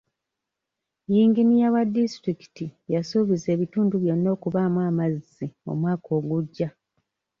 Yinginiya wa disitulikiti yasuubiza ebitundu byonna okubaamu amazzi omwaka ogujja.